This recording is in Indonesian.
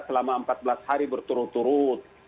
selama empat belas hari berturut turut